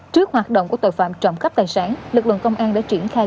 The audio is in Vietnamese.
trước hoạt động của tội phạm trộm cắp tài sản lực lượng công an đã triển khai